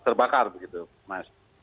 terbakar begitu mas